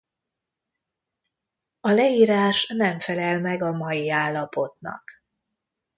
A leírás nem felel meg a mai állapotnak.